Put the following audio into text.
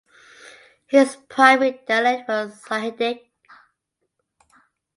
His primary dialect was Sahidic.